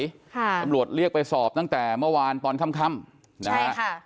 ค่ะจำลวทเรียกไปสอบตั้งแต่เมื่อวานค่อนค่ำค่ำใช่ค่ะ